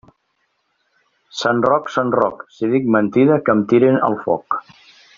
Sant Roc, sant Roc, si dic mentida que em tiren al foc.